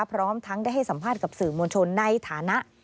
พร้อมทั้งได้ให้สัมภาษณ์กับสื่อมวลชนในฐานะ